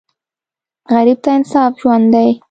غریب ته انصاف ژوند دی